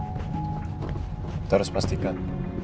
kita harus pastikan